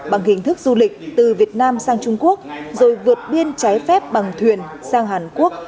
bằng hình thức du lịch từ việt nam sang trung quốc rồi vượt biên trái phép bằng thuyền sang hàn quốc